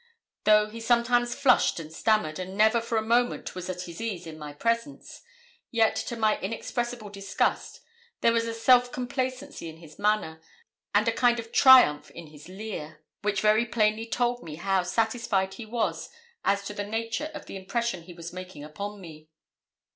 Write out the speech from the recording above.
Though he sometimes flushed and stammered, and never for a moment was at his ease in my presence, yet, to my inexpressible disgust, there was a self complacency in his manner, and a kind of triumph in his leer, which very plainly told me how satisfied he was as to the nature of the impression he was making upon me.